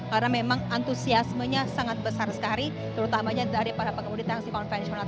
karena memang antusiasmenya sangat besar sekali terutamanya dari para pengemudi tangsi konvensional